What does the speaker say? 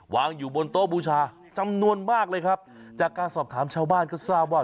วางอยู่บนโต๊ะบูชาจำนวนมากเลยครับจากการสอบถามชาวบ้านก็ทราบว่า